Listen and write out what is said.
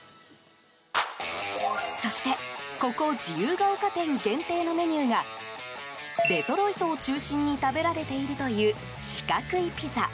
そして、ここ自由が丘店限定のメニューがデトロイトを中心に食べられているという四角いピザ。